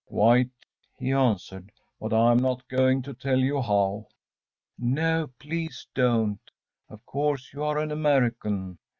‚ÄúQuite,‚ÄĚ he answered; “but I am not going to tell you how.‚ÄĚ “No, please don't. Of course, you are an American?